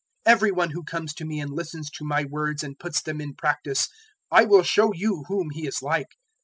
006:047 Every one who comes to me and listens to my words and puts them in practice, I will show you whom he is like.